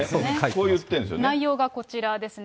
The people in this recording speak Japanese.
内容はこちらですね。